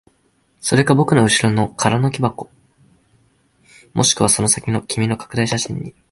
それか僕の後ろの空の木箱、もしくはその先の君の拡大写真に。